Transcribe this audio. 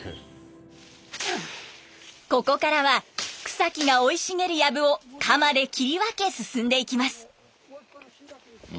ここからは草木が生い茂るやぶを鎌で切り分け進んでいきます。